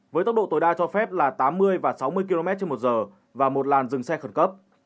với tốc độ tối đa cho phép là tám mươi và sáu mươi kmh và một làn dừng xe khẩn cấp